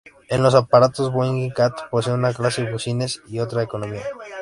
En los aparatos Boeing Jat posee una clase business y otra económica.